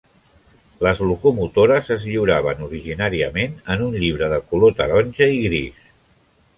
Les locomotores es lliuraven originàriament en un llibre de color taronja i gris.